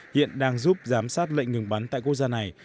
hiện đang giúp giám sát lệnh ngừng bắn tại quốc gia này